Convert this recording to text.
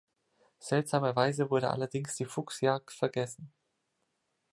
Seltsamerweise wurde allerdings die Fuchsjagd vergessen.